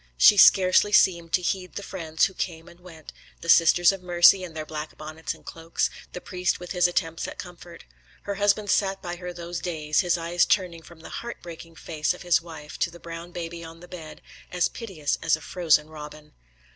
She scarcely seemed to heed the friends who came and went, the Sisters of Mercy, in their black bonnets and cloaks, the priest with his attempts at comfort. Her husband sat by her those days, his eyes turning from the heart breaking face of his wife to the brown baby on the bed, as piteous as a frozen robin.